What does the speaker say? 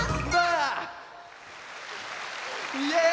イエーイ！